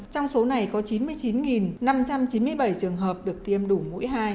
trong số này có chín mươi chín năm trăm chín mươi bảy trường hợp được tiêm đủ mũi hai